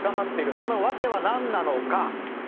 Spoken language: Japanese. その訳は何なのか。